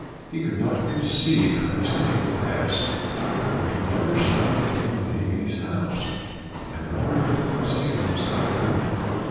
He could not conceive how this came to pass, for he never saw a human being in his house, and no one could have concealed himself in it.